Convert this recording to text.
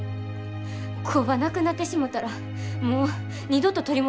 工場なくなってしもたらもう二度と取り戻されへんねんで。